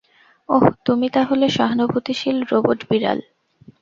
ওহ, তুমি তাহলে সহানুভূতিশীল রোবট বিড়াল।